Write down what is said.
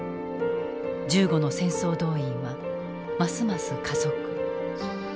銃後の戦争動員はますます加速。